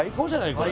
これ。